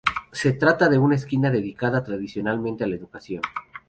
Se trata de una esquina dedicada tradicionalmente a la educación.